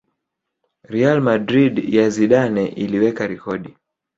Real Madrid ya Zidane iliweka rekodi